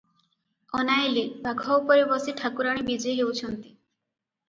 ଅନାଇଲି, ବାଘ ଉପରେ ବସି ଠାକୁରାଣୀ ବିଜେ ହେଉଛନ୍ତି ।